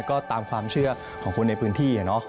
ก็ตามความเชื่อของคนในพื้นที่